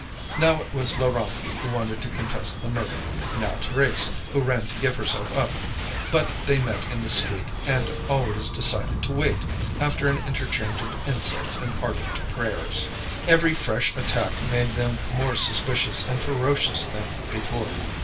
Now it was Laurent who wanted to confess the murder, now Thérèse who ran to give herself up. But they met in the street, and always decided to wait, after an interchange of insults and ardent prayers. Every fresh attack made them more suspicious and ferocious than before.